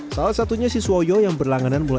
salah satunya si suwoyo yang berlangganan berusia